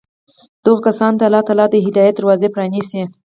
دغو كسانو ته الله تعالى د هدايت دروازې پرانېزي